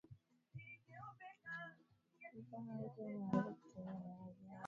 mfano Waislamu wanaweza kutumia neno jihadi wakiongea juu ya jitihada